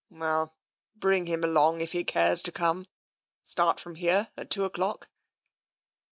" Well, bring him along, if he cares to come. Start from here at two o'clock